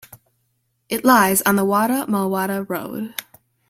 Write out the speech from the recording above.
It lies on the Wada-Malwada Road.